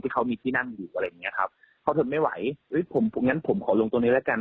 เขาถึงไม่ไหวอย่างนั้นผมขอลงตรงนี้แล้วกัน